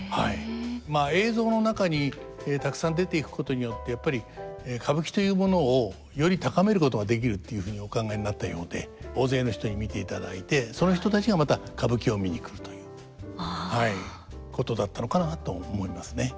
まあ映像の中にたくさん出ていくことによってやっぱり歌舞伎というものをより高めることができるっていうふうにお考えになったようで大勢の人に見ていただいてその人たちがまた歌舞伎を見に来るということだったのかなと思いますね。